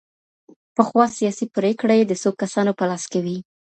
پخوا سياسي پرېکړي د څو کسانو په لاس کي وې.